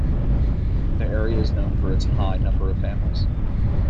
The area is known for its high number of families.